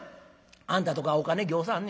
あんたとこはお金ぎょうさんあんねや。